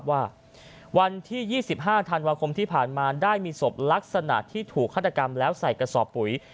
ว่าวันที่๒๕ธันวาคมที่ผ่านมาได้มีศพลักษณะที่ถูกฆาตกรรมแล้วใส่กระสอบปุ๋ย